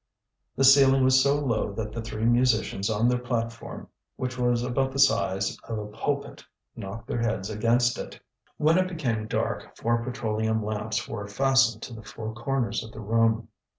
The ceiling was so low that the three musicians on their platform, which was about the size of a pulpit, knocked their heads against it. When it became dark four petroleum lamps were fastened to the four corners of the room.